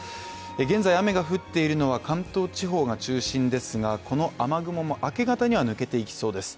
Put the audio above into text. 現在雨が降っているのは関東地方が中心ですがこの雨雲も明け方には抜けていきそうです。